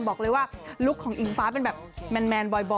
บอกเลยว่าลุคของอิงฟ้าเป็นแบบแมนบ่อย